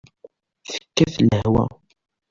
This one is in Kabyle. Tekkat lehwa.